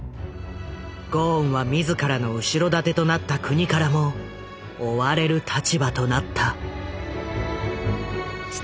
ゴーンは自らの後ろ盾となった国からも追われる立場となった。